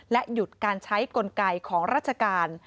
หยุดการใช้กลไกของราชการ